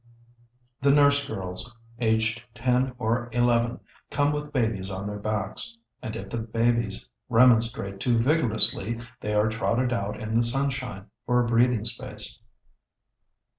The nurse girls, aged ten or eleven, come with babies on their backs, and, if the babies remonstrate too vigorously, they are trotted out in the sunshine for a breathing space.